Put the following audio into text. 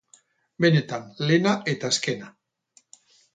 Benetan, lehena eta azkena.